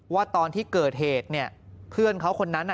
ว่าตอนที่เกิดเหตุเนี่ยเพื่อนเขาคนนั้นน่ะ